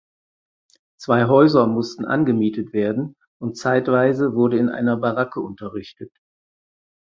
Zwei Häuser mussten angemietet werden und zeitweise wurde in einer Baracke unterrichtet.